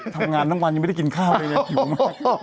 ทำงานทั้งวันยังไม่ได้กินข้าวเลยนะหิวมาก